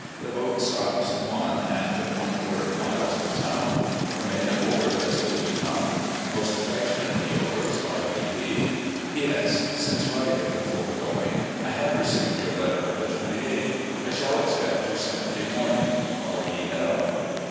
The boat stops one and one quarter miles from town. Remain aboard until we come. " Most affectionately yours, R. E. Lee. "P. S. — Since writing the foregoing I have received your letter of the 28th. I shall expect you Saturday morning. R. E. L.